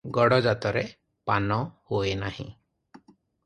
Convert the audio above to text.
ଗଡ଼ଜାତରେ ପାନ ହୁଅଇ ନାହିଁ ।